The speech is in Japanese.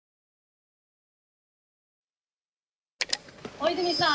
大泉さん